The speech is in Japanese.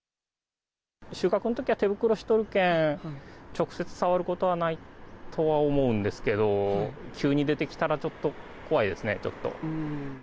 収穫のときは手袋しとるけん、直接触ることはないとは思うんですけど、急に出てきたら、ちょっと怖いですね、ちょっと。